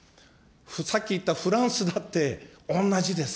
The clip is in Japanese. さっき言ったフランスだって同じです。